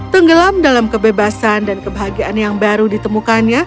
tenggelam dalam kebebasan dan kebahagiaan yang baru ditemukannya